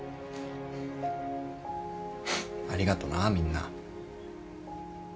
ありがとなみんな。